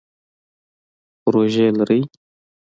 پروژی لرئ؟